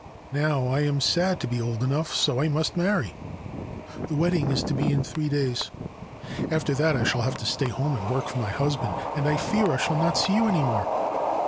Now I am said to be old enough : so I must marry. The wedding is to be in three days. After that I shall have to stay at home and work for my husband, and I fear I shall not see you any more.